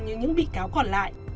như những bị cáo còn lại